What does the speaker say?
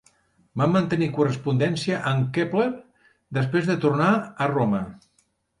Va mantenir correspondència amb Kepler després de tornar a Roma.